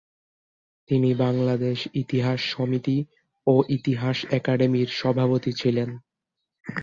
তিনি বাংলাদেশ ইতিহাস সমিতি ও ইতিহাস একাডেমির সভাপতি ছিলেন।